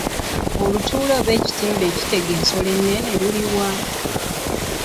Olutuula oba ekitimba ekitega ensolo ennene luli wa?